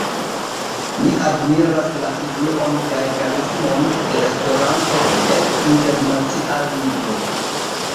Mi admiras la influon kaj karismon de Esperanto kiel internacia lingvo.